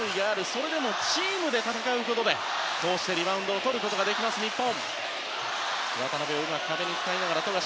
それでもチームで戦うことでリバウンドをとることができます日本。